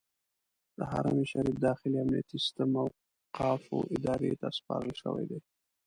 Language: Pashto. د حرم شریف داخلي امنیتي سیستم اوقافو ادارې ته سپارل شوی دی.